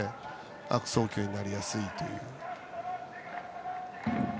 悪送球になりやすいという。